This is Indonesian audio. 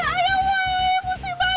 kiri bang kiri bang